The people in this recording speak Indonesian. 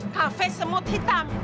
kafe semut hitam